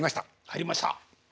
入りました！